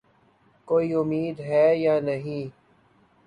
کوئی امید ہے یا نہیں ؟